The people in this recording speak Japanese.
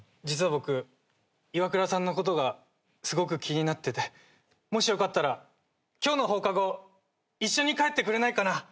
実は僕イワクラさんのことがすごく気になっててもしよかったら今日の放課後一緒に帰ってくれないかな。